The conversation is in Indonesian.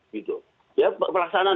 gitu ya pelaksanaan